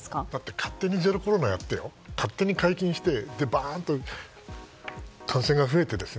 勝手にゼロコロナやって勝手に解禁してばーんと感染が増えてね。